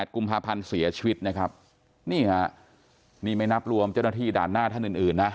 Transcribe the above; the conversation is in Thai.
กุมภาพันธ์เสียชีวิตนะครับนี่ฮะนี่ไม่นับรวมเจ้าหน้าที่ด่านหน้าท่านอื่นนะ